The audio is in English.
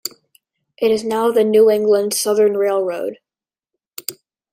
It is now the New England Southern Railroad.